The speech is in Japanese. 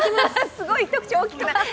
すごい、一口大きくない？